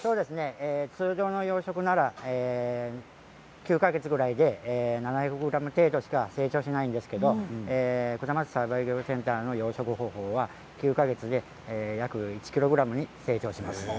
通常の養殖なら９か月ぐらいで７００ｇ程度しか成長しないんですけれどもこちらの養殖方法は９か月で約１ｋｇに成長します。